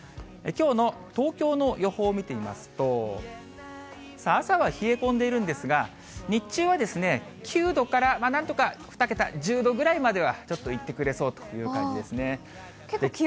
きょうの東京の予報を見てみますと、朝は冷え込んでいるんですが、日中は９度からなんとか２桁、１０度ぐらいまではちょっといってくれそうという感じですね。